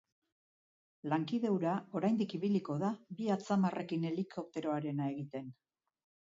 Lankide hura oraindik ibiliko da bi atzamarrekin helikopteroarena egiten.